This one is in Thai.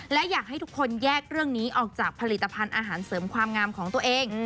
และอยากให้ทุกคนแยกเรื่องนี้ออกจากผลิตภัณฑ์อาหารเสริมความงามของตัวเอง